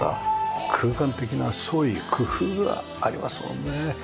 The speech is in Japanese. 空間的な創意工夫がありますもんね。